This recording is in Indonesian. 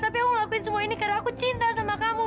tapi aku lakuin semua ini karena aku cinta sama kamu